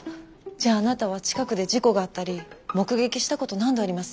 じゃああなたは近くで事故があったり目撃したこと何度あります？